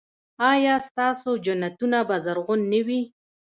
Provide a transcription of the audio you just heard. ایا ستاسو جنتونه به زرغون نه وي؟